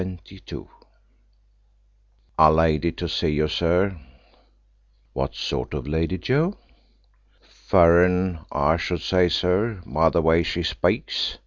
CHAPTER XXII "A lady to see you, sir." "What sort of a lady, Joe?" "Furren, I should say, sir, by the way she speaks.